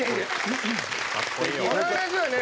この話はね